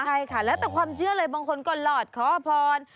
ใช่ค่ะแล้วแต่ความเชื่อเลยบางคนก็หลอดขอพร